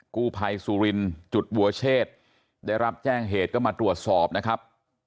กู้ภัยสุรินจุดวัวเชษได้รับแจ้งเหตุก็มาตรวจสอบนะครับ